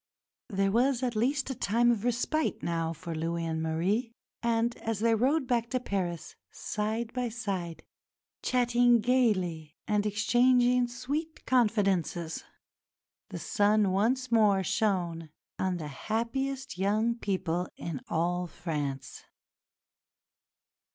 There was at least a time of respite now for Louis and Marie, and as they rode back to Paris, side by side, chatting gaily and exchanging sweet confidences, the sun once more shone on the happiest young people in all France.